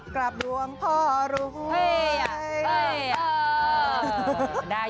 กลับดวงพ่อรู้ไห้